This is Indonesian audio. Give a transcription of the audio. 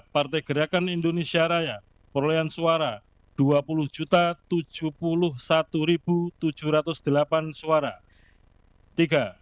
dua partai gerakan indonesia raya perolehan suara dua puluh suara